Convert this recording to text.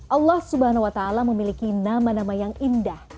allah swt memiliki nama nama yang indah